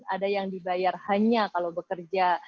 ada yang dibayar hanya kalau bekerja